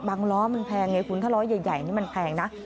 ล้อมันแพงไงคุณถ้าล้อใหญ่นี่มันแพงนะ